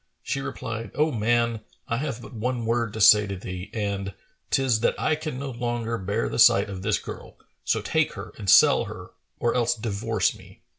She replied, "O man, I have but one word to say to thee, and 'tis that I can no longer bear the sight of this girl; so take her and sell her, or else divorce me."